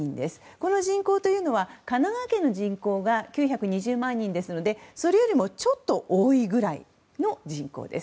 この人口は、神奈川県の人口が９２０万人ですのでそれよりちょっと多いぐらいの人口です。